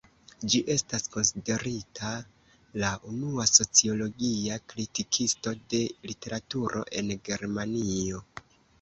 Ĝi estas konsiderita la unua "sociologia" kritikisto de literaturo en Germanio.